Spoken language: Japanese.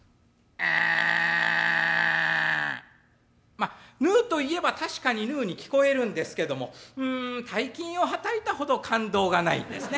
まあヌーといえば確かにヌーに聞こえるんですけども大金をはたいたほど感動がないですね。